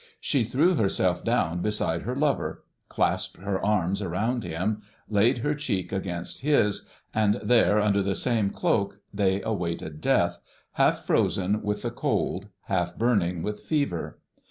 She threw herself down beside her lover, clasped her arms around him, laid her cheek against his, and there under the same cloak they awaited death, half frozen with the cold, half burning with fever.